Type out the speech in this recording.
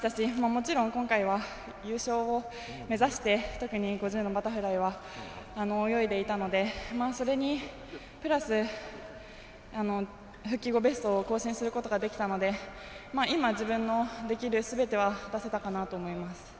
もちろん今回は優勝を目指して特に５０のバタフライは泳いでいたので、それにプラス、自己ベストを更新することができたので今、自分のできるすべては出せたかなと思います。